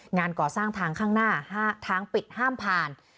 งานก่อสร้างทางข้างหน้าทางปิดห้ามผ่าน